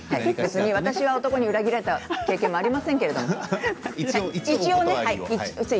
私は男に裏切られた経験もありませんけど、一応ね。